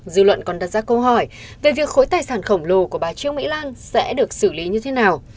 dư luận còn đặt ra câu hỏi về việc khối tài sản khổng lồ của bà trương mỹ lan sẽ được xử lý như thế nào